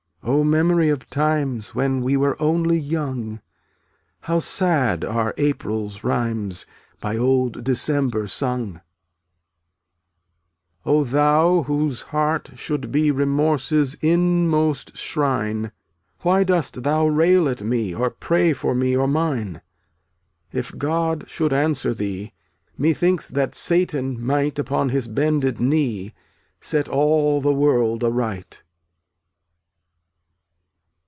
O memory of times When we were only young 1 How sad are April's rhymes By old December sung. 310 Oh thou whose heart should be Remorse's inmost shrine, Why dost thou rail at me Or pray for me or mine? If God should answer thee, Methinks that Satan might, Upon his bended knee, Set all the world aright.